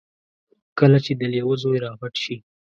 کله چې د لیوه زوی را غټ شي.